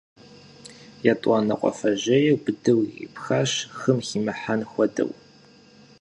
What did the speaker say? ЕтӀуанэ кхъуафэжьейр быдэу ирипхащ, хым химыхьэн хуэдэу.